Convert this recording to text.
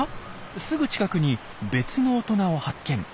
すぐ近くに別の大人を発見。